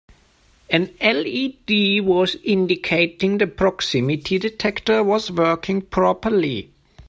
An LED was indicating the proximity detector was working properly.